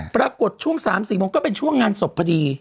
ปรากฏช่วง๓๔โมงก็เป็นช่วงงานศพพอดี